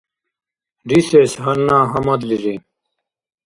Рисес гьанна гьамадлири.